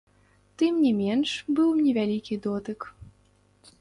Тым не менш быў невялікі дотык.